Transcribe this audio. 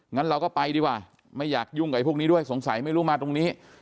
งั้นเราก็ไปดีกว่าไม่อยากยุ่งกับพวกนี้ด้วยสงสัยไม่รู้มาตรงนี้